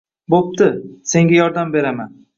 Boʻpti, senga yordam beraman